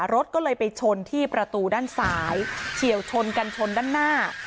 รถก็เลยไปชนที่ประตูด้านซ้ายเฉียวชนกันชนด้านหน้า